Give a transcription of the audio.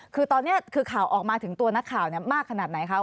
คือตอนนี้คือข่าวออกมาถึงตัวนักข่าวมากขนาดไหนคะ